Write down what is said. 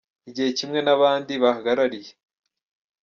igihe kimwe n’abandi bahagarariye.